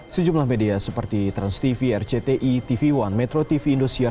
sejumlah media seperti transtv rcti tv one metro tv indosiar